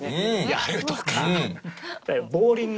やるとか。